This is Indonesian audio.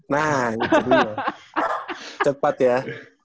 nah ini tuh cepat ya